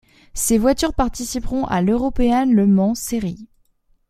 Ces voitures participeront a l'European Le Mans Series.